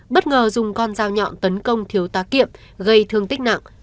bất ngờ dùng con dao nhọn tấn công thiếu tá kiệm gây thương tích nặng